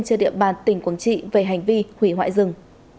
trên địa bàn tỉnh quảng trị về hành vi hủy hoại rừng